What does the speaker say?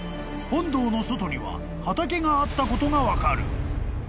［本堂の外には畑があったことが分かる］